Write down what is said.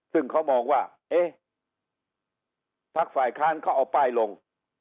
ซึ่งเขามองว่าพรรคฝ่ายค่านเขาเอาป้ายลง